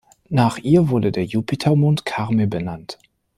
Nach ihr wurde der Jupiter-Mond Carme benannt.